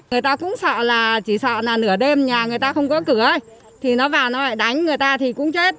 người ta cũng sợ là chỉ sợ là nửa đêm nhà người ta không có cửa thì nó vào nó lại đánh người ta thì cũng chết